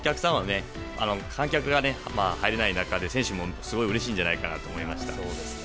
観客も入れない中で選手も、すごくうれしいんじゃないかなと思いますね。